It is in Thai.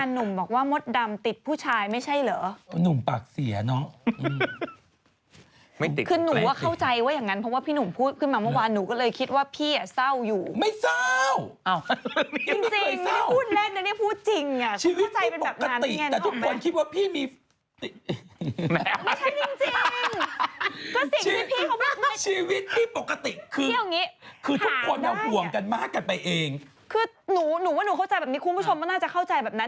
หนูว่าหนูเข้าใจแบบนี้คุณผู้ชมก็น่าจะเข้าใจแบบนั้น